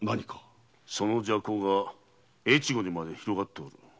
その麝香が越後にまで広がっている。